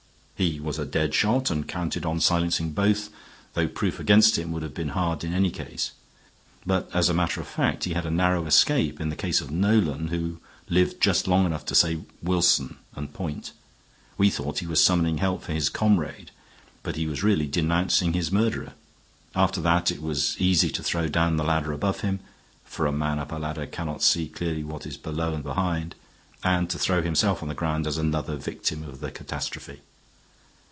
He was a dead shot and counted on silencing both, though proof against him would have been hard in any case. But, as a matter of fact, he had a narrow escape, in the case of Nolan, who lived just long enough to say, 'Wilson' and point. We thought he was summoning help for his comrade, but he was really denouncing his murderer. After that it was easy to throw down the ladder above him (for a man up a ladder cannot see clearly what is below and behind) and to throw himself on the ground as another victim of the catastrophe.